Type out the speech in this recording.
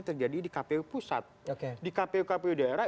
terjadi di kpu pusat di kpu kpu daerah